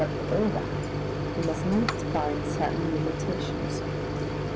But for all that, we must needs define certain limitations.